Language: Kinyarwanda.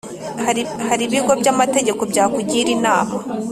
hari ibigo by’amategeko byakugira inama.